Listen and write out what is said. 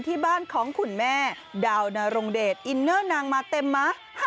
ที่บ้านของคุณแม่ดาวนรงเดชอินเนอร์นางมาเต็มมะ